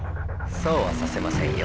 そうはさせませんよ。